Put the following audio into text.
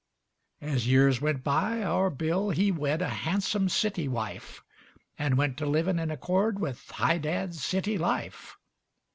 As years went by our Bill he wed A hansum city wife, And went to livin' in accord With high dad city life.